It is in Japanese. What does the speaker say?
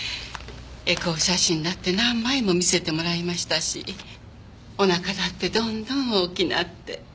エコー写真だって何枚も見せてもらいましたしお腹だってどんどん大きなって。